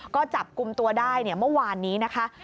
ก็จับกลุ่มตัวได้เมื่อวานนี้นะคะ